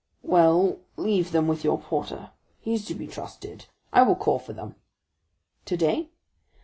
"Well, leave them with your porter; he is to be trusted. I will call for them." "Today?"